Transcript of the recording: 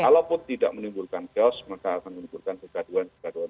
kalaupun tidak menimbulkan chaos maka akan menimbulkan kegaduhan kegaduhan